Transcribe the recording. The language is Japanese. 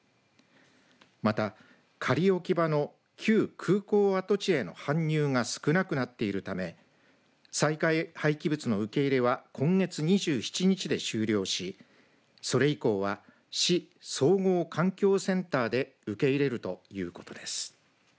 また、仮置き場の旧空港跡地への搬入が少なくなっているため災害廃棄物の受け入れは今月２７日で終了しそれ以降は市総合環境センターで受け入れるということです。